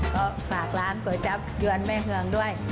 ก็ฝากร้านก๋วยจับยวนแม่เฮืองด้วย